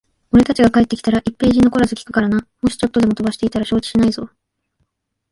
俺たちが帰ってきたら、一ページ残らず聞くからな。もしちょっとでも飛ばしていたら承知しないぞ。